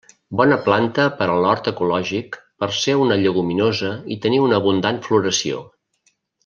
Bona planta per a l'hort ecològic per ser una lleguminosa i tenir una abundant floració.